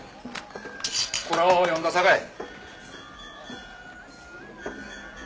これを読んださかい！